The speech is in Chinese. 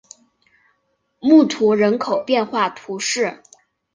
穆图人口变化图示